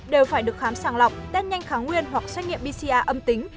đều phải được khám sàng lọc test nhanh kháng nguyên hoặc xét nghiệm pcr âm tính